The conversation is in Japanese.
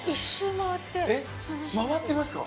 えっ回ってますか？